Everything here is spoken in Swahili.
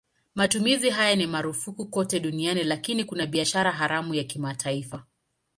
Matumizi haya ni marufuku kote duniani lakini kuna biashara haramu ya kimataifa.